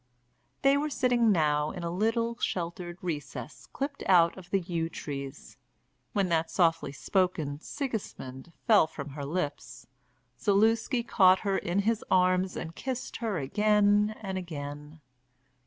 They were sitting now in a little sheltered recess clipped out of the yew trees. When that softly spoken "Sigismund" fell from her lips, Zaluski caught her in his arms and kissed her again and again.